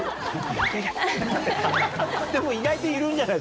でも意外といるんじゃない？